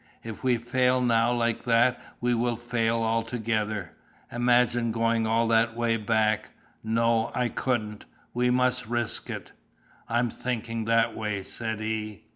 If we fail now like that we will fail altogether. Imagine going all that way back. No, I couldn't. We must risk it." "I'm thinking that way," said he.